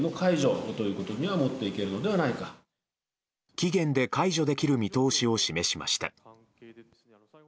期限で解除できる見通しを示しました。